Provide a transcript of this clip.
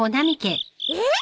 えっ！？